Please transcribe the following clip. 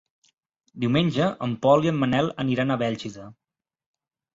Diumenge en Pol i en Manel aniran a Bèlgida.